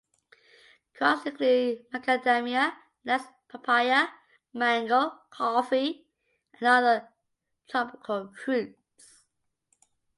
Crops include macadamia nuts, papaya, mango, coffee, and other tropical fruits.